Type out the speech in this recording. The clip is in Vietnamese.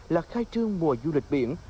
là khai trương mùa du lịch biển